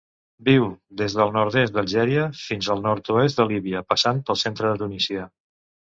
Viu des del nord-est d'Algèria fins al nord-oest de Líbia, passant pel centre de Tunísia.